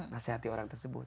naseh hati orang tersebut